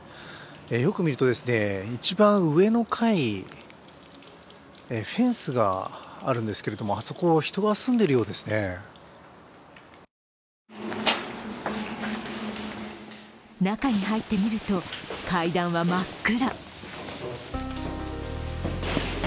よく見ると一番上の階フェンスがあるんですけれどもあそこ、人が住んでいるようですね中に入ってみると、階段は真っ暗。